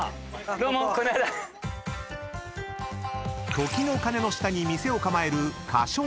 ［時の鐘の下に店を構える］